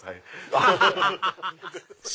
アハハハ！